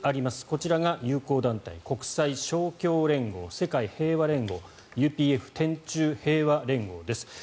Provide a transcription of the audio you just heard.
こちらが友好団体国際勝共連合、世界平和連合ＵＰＦ・天宙平和連合です。